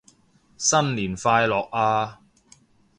新年快樂啊